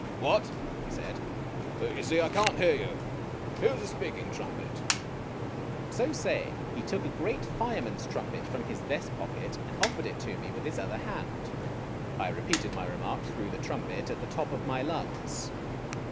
"What?" he said. "You see, I can't hear you. Here is a speaking trumpet." So saying, he took a great fireman's trumpet from his vest pocket, and offered it to me with his other hand. I repeated my * remark through the trumpet, at the top of my lungs.